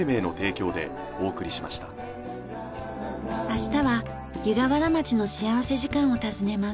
明日は湯河原町の幸福時間を訪ねます。